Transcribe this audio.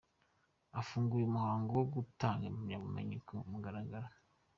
Afunguye umuhango wo gutanga impamyabumenyi ku mugaragaro.